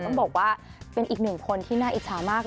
ต้องบอกว่าเป็นอีกหนึ่งคนที่น่าอิจฉามาก